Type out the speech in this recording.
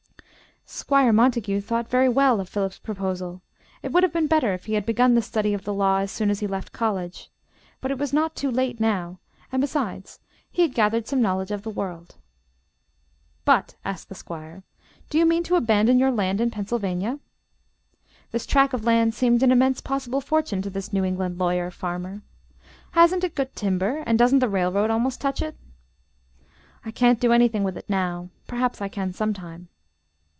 Squire Montague thought very well of Philip's proposal. It would have been better if he had begun the study of the law as soon as he left college, but it was not too late now, and besides he had gathered some knowledge of the world. "But," asked the Squire, "do you mean to abandon your land in Pennsylvania?" This track of land seemed an immense possible fortune to this New England lawyer farmer. "Hasn't it good timber, and doesn't the railroad almost touch it?" "I can't do anything with it now. Perhaps I can sometime."